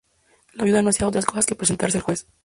La viuda no hacía otra cosa que presentarse al juez.